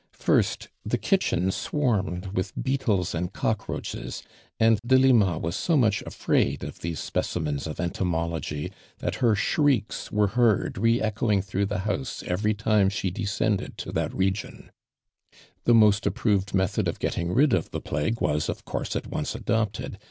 First, tlio kitchen swarmed with beetles and cockroaches, and Delima was so mucli afraid of those speci mens of entomology that her shrieks woit? heard re echoing through the house every time she decended to that region. The most approved nn^thod of getting ri<l of the plague was, of course at onco ailopttd.